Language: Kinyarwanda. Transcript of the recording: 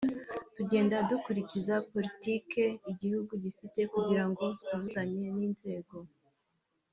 tugenda dukurikiza politike igihugu gifite kugira ngo twuzuzanye n’inzego”